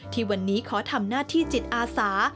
ที่วันนี้ขอทำหน้าที่จิตอาสา